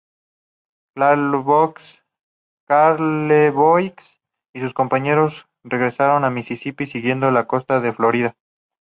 Charlevoix y sus compañeros regresaron al Misisipí, siguiendo la costa de Florida.